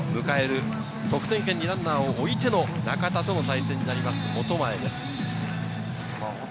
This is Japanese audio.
得点圏にランナーを置いての中田との対戦になります、本前です。